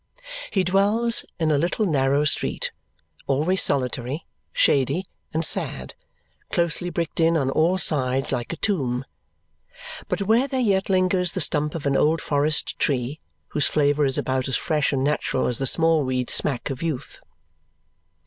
He dwells in a little narrow street, always solitary, shady, and sad, closely bricked in on all sides like a tomb, but where there yet lingers the stump of an old forest tree whose flavour is about as fresh and natural as the Smallweed smack of youth.